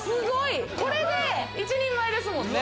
これで一人前ですもんね。